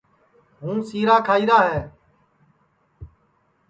ہُوں سیرا کھائیرا ہے